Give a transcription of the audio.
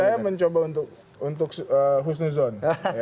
saya mencoba untuk husnuzon